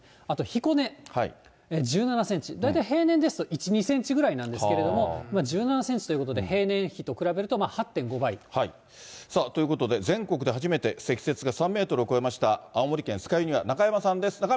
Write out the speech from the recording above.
あと、彦根、１７センチ、大体平年ですと、１、２センチぐらいなんですけれども、１７センチということで、ということで、全国で初めて積雪が３メートルを超えました、青森県酸ヶ湯には中山さんです。